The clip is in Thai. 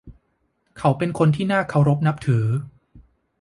เขาเป็นคนที่น่าเคารพนับถือ